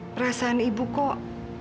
perasaan ibu kok